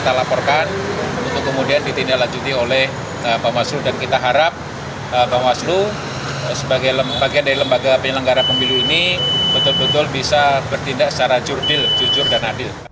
kita laporkan untuk kemudian ditindaklanjuti oleh bawaslu dan kita harap bawaslu sebagai lembaga dari lembaga penyelenggara pemilu ini betul betul bisa bertindak secara jurdil jujur dan adil